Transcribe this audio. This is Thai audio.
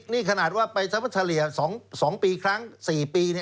นี่ขนาดว่าไปเฉลี่ย๒ปีครั้ง๔ปี